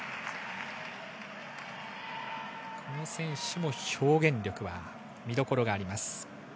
この選手も表現力の見どころがあります。